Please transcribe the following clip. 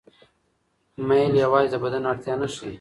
میل یوازې د بدن اړتیا نه ښيي.